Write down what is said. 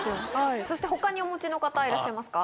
他にお持ちの方いらっしゃいますか？